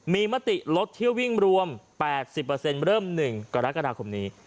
มีมติลดเที่ยววิ่งรวม๘๐เริ่ม๑กรกฎาคมนี้